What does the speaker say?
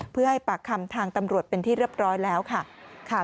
เพื่อให้ปากคำทางตำรวจเป็นที่เรียบร้อยแล้วค่ะ